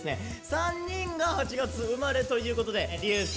３人が８月生まれということで流星